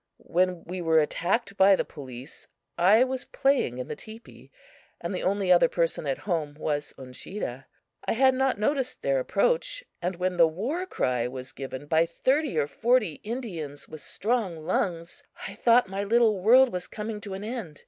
When we were attacked by the police, I was playing in the teepee, and the only other person at home was Uncheedah. I had not noticed their approach, and when the war cry was given by thirty or forty Indians with strong lungs, I thought my little world was coming to an end.